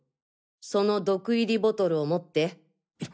その毒入りボトルを持って？